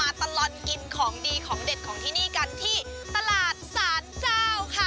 ตลอดกินของดีของเด็ดของที่นี่กันที่ตลาดสารเจ้าค่ะ